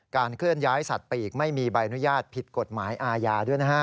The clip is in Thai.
เคลื่อนย้ายสัตว์ปีกไม่มีใบอนุญาตผิดกฎหมายอาญาด้วยนะฮะ